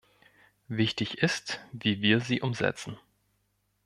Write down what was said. Wichtig ist, wie wir sie umsetzen.